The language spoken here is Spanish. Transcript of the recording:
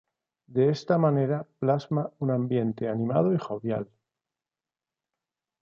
De esta manera plasma un ambiente animado y jovial.